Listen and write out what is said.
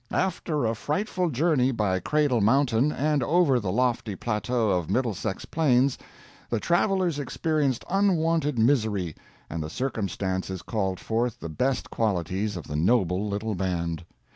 "After a frightful journey by Cradle Mountain, and over the lofty plateau of Middlesex Plains, the travelers experienced unwonted misery, and the circumstances called forth the best qualities of the noble little band.